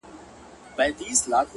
بیا هغه لار ده، خو ولاړ راته صنم نه دی،